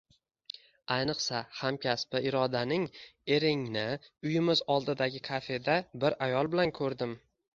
Ayniqsa, hamkasbi Irodaning Eringni uyimiz oldidagi kafeda bir ayol bilan ko`rdim